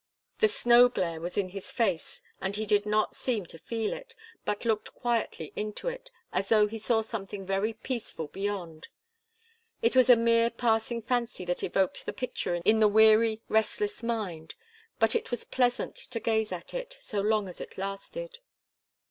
The snow glare was in his face, and he did not seem to feel it, but looked quietly into it, as though he saw something very peaceful beyond. It was a mere passing fancy that evoked the picture in the weary, restless mind, but it was pleasant to gaze at it, so long as it lasted.